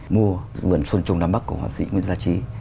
mua vườn xuân trung nam bắc của họa sĩ nguyễn gia trí